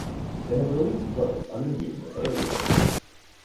They have released works under numerous aliases.